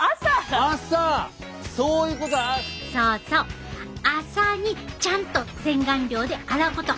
そうそう朝にちゃんと洗顔料で洗うこと。